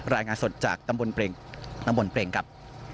รายงานสดจากตำบลตำบลเปรงครับ